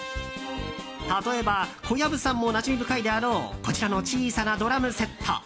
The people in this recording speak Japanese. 例えば、小籔さんもなじみ深いであろうこちらの小さなドラムセット。